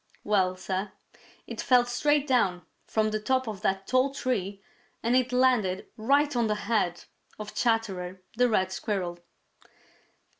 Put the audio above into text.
Well, Sir, it fell straight down, from the top of that tall tree, and it landed right on the head of Chatterer the Red Squirrel!